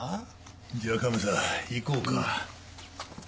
じゃあカメさん行こうか。